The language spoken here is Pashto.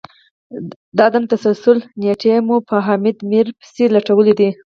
د عدم تسلسل نیټې مو په حامد میر پسي لټولې دي